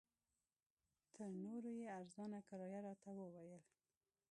تر نورو یې ارزانه کرایه راته وویل.